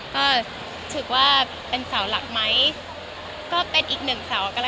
ก็ถือว่าเป็นเสาหลักไหมก็เป็นอีกหนึ่งสาวก็แล้ว